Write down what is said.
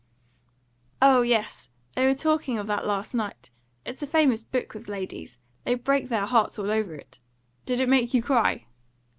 "Oh yes; they were talking of that last night; it's a famous book with ladies. They break their hearts over it. Did it make you cry?"